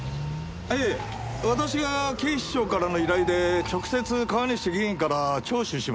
ええ私が警視庁からの依頼で直接川西議員から聴取しましたが。